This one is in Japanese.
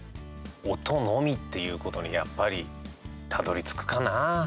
音のみっていうことにやっぱり、たどりつくかな。